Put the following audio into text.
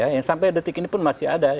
yang sampai detik ini pun masih ada